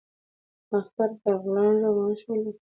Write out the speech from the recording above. مخ پر بغلان روان شولو.